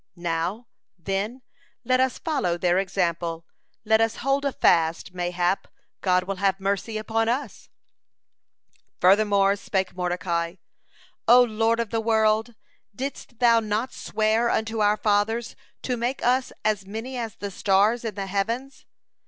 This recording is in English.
Now, then, let us follow their example, let us hold a fast, mayhap God will have mercy upon us." (123) Furthermore spake Mordecai: "O Lord of the world! Didst Thou not swear unto our fathers to make us as many as the stars in the heavens?